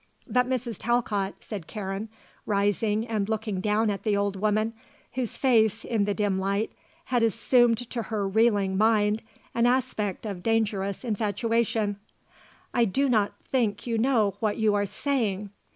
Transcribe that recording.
"But, Mrs. Talcott," said Karen, rising and looking down at the old woman, whose face, in the dim light, had assumed to her reeling mind an aspect of dangerous infatuation "I do not think you know what you are saying.